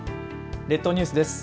列島ニュースです。